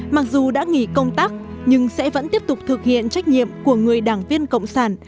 mặc dù đã nghỉ công tác nhưng sẽ vẫn tiếp tục thực hiện trách nhiệm của người đảng viên cộng sản